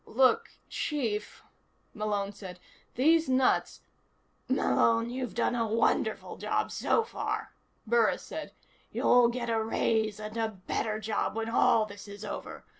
"Look, chief," Malone said. "These nuts " "Malone, you've done a wonderful job so far," Burris said. "You'll get a raise and a better job when all this is over.